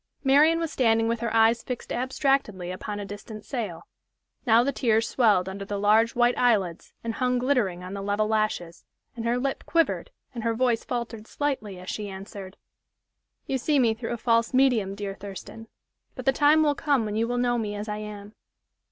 Marian was standing with her eyes fixed abstractedly upon a distant sail. Now the tears swelled under the large white eyelids and hung glittering on the level lashes, and her lip quivered and her voice faltered slightly as she answered: "You see me through a false medium, dear Thurston, but the time will come when you will know me as I am."